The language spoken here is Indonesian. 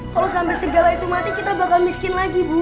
kalau sampai serigala itu mati harta benda kita akan lanyak bu